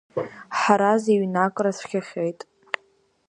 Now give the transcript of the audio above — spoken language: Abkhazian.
Ҳараз иҩнакра цәгьахеит.